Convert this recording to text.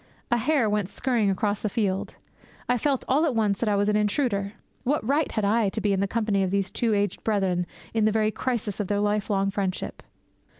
A hare went scurrying across the field. I felt all at once that I was an intruder. What right had I to be in the company of these two aged brethren in the very crisis of their lifelong friendship?